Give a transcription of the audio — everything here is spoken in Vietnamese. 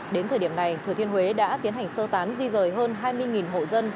đến thời điểm này thừa thiên huế đã tiến hành sơ tán di rời hơn hai mươi hộ dân